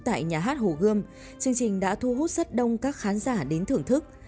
tại nhà hát hồ gươm chương trình đã thu hút rất đông các khán giả đến thưởng thức